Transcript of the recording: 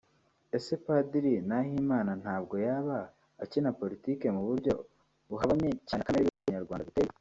Ese Padiri Nahimana ntabwo yaba akina Politiki mu buryo buhabanye cyane na kamere y’uko abanyarwanda duteye